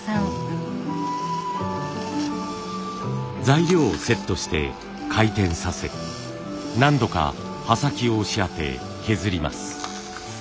材料をセットして回転させ何度か刃先を押し当て削ります。